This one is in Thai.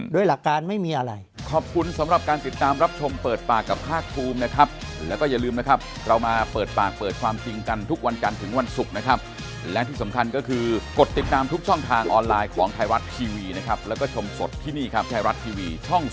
โดยหลักการไม่มีอะไร